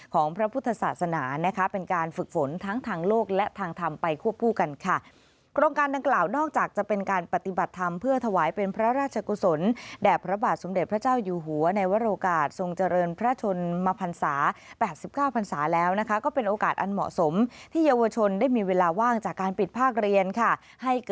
ของพระพุทธศาสนานะคะเป็นการฝึกฝนทั้งทางโลกและทางธรรมไปควบคู่กันค่ะโครงการดังกล่าวนอกจากจะเป็นการปฏิบัติธรรมเพื่อถวายเป็นพระราชกุศลแด่พระบาทสมเด็จพระเจ้าอยู่หัวในวรโอกาสทรงเจริญพระชนมพันศา๘๙พันศาแล้วนะคะก็เป็นโอกาสอันเหมาะสมที่เยาวชนได้มีเวลาว่างจากการปิดภาคเรียนค่ะให้ก